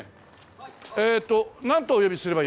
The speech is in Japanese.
えーっとなんとお呼びすればよろしいですか？